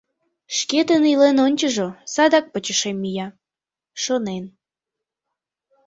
«Шкетын илен ончыжо, садак почешем мия», — шонен.